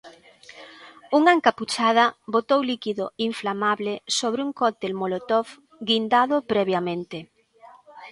Unha encapuchada botou líquido inflamable sobre un cóctel molotov guindado previamente.